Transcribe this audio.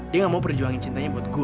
dia gak mau perjuangin cintanya buat gue